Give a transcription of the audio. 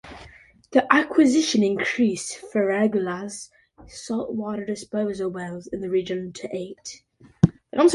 The acquisition increased Ferrellgas' salt water disposal wells in the region to eight.